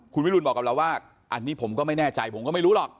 คุณวิรุณบอกกับเราว่าอันนี้ผมก็ไม่แน่ใจผมก็ไม่รู้หรอก